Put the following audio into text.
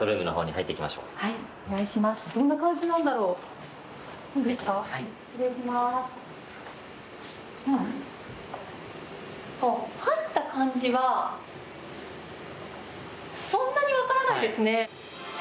入った感じはそんなに分からないですね。